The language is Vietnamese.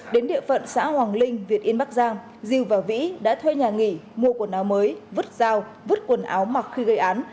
đến địa phận xã hoàng linh việt yên bắc giang diêu và vĩ đã thuê nhà nghỉ mua quần áo mới vứt dao vứt quần áo mặc khi gây án